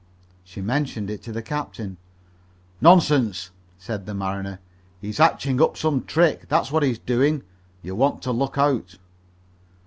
She mentioned it to the captain. "Nonsense," said the mariner. "He's hatching up some trick, that's what he's doing. You want to look out."